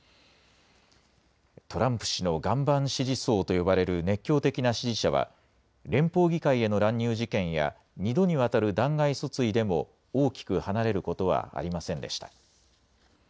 トランプ氏の岩盤支持層と呼ばれる熱狂的な支持者は、連邦議会への乱入事件や、２度にわたる弾劾訴追でも大きく離れることはありませんでした。